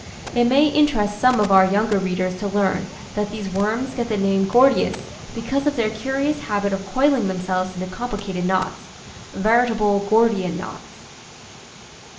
It may interest some of our younger readers to learn that these worms get the name Gordius because of their curious habit of coiling themselves into complicated knots. veritable " Gordian knots."